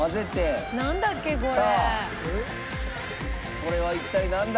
これは一体なんだ？